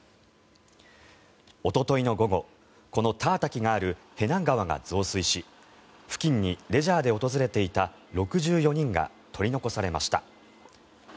おとといの午後このター滝がある平南川が増水し付近にレジャーで訪れていた６４人が取り残されました。